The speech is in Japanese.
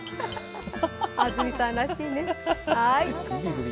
安住さんらしいね。